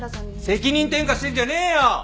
責任転嫁してんじゃねえよ！